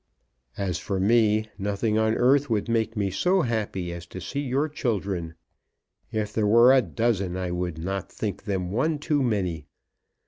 As for me, nothing on earth would make me so happy as to see your children. If there were a dozen, I would not think them one too many.